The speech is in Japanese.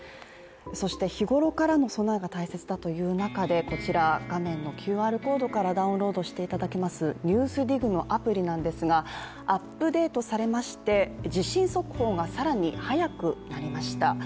そして日頃からの備えが大切だという中でこちら画面のＱＲコードからダウンロードしていただきます「ＮＥＷＳＤＩＧ」のアプリなんですがアップデートされまして地震速報が更に早くなりました。